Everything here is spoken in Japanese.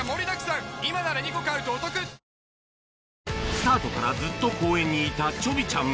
スタートからずっと公園にいたちょびちゃん